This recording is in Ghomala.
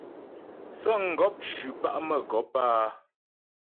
Sə̌ŋgɔp ncʉ pa' mə́gɔp áa.